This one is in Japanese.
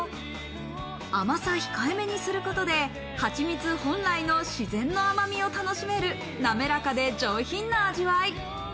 甘さ控えめにすることではちみつ本来の自然の甘みを楽しめる滑らかで上品な味わい。